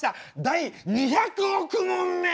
第２００億問目！